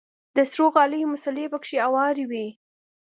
د سرو غاليو مصلې پکښې هوارې وې.